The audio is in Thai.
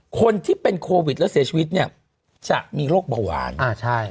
คนที่เป็นโควิดแล้วเสียชีวิตเนี่ยจะมีโรคเบาหวานอ่าใช่